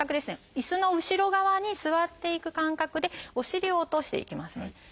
いすの後ろ側に座っていく感覚でお尻を落としていきますね。